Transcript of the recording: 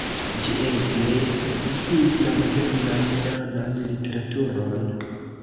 Ĝi ege influis la modernan danan literaturon.